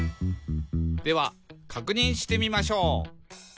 「ではかくにんしてみましょう」